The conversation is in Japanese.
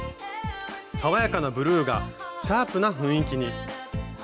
爽やかなブルーがシャープな雰囲気に。